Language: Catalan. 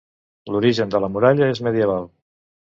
L'origen de la muralla és medieval.